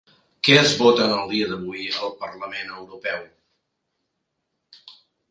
Què es vota en el dia d'avui al Parlament Europeu?